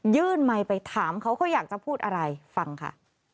ไมค์ไปถามเขาเขาอยากจะพูดอะไรฟังค่ะ